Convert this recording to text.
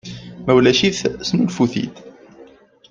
Ma ulac-it, snulfu-t-id.